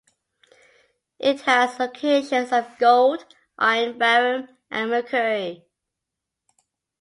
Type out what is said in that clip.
It has locations of gold, iron, barium, and mercury.